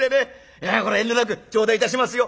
いやこれは遠慮なく頂戴いたしますよ」。